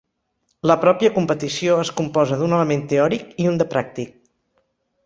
La pròpia competició es composa d'un element teòric i un de pràctic.